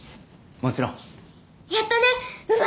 もちろんやったねウバ